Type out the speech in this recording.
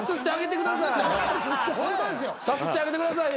さすってあげてくださいよ。